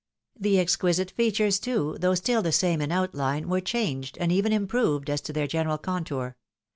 The exquisite features, too, though still the same in outline, were changed, and even improved as to their general contour.